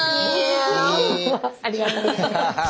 ありがとうございます。